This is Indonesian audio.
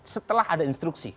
setelah ada instruksi